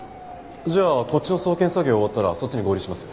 じゃあこっちの送検作業終わったらそっちに合流します。